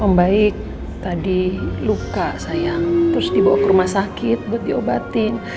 membaik tadi luka sayang terus dibawa ke rumah sakit buat diobatin